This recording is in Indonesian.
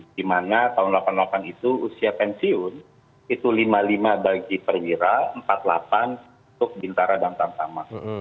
dimana tahun delapan puluh delapan itu usia pensiun itu lima puluh lima bagi perwira empat puluh delapan untuk bintara dan tampan